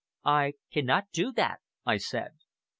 "I cannot do that," I said.